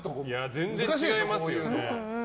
全然違いますよ。